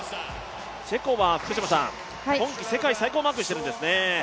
チェコは今季世界最高をマークしているんですね。